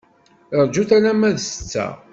Rjut alamma d ssetta.